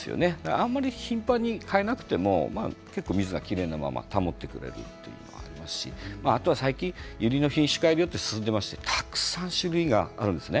あまり頻繁に替えなくても結構、水がきれいなまま保ってくれますしあと最近ユリの品種改良が進んでいましてたくさん種類があるんですね。